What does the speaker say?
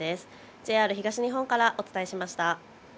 ＪＲ東日本からお伝えしました。